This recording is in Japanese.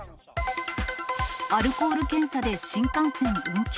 アルコール検査で新感線運休。